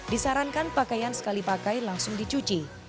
disarankan pakaian sekali pakai langsung dicuci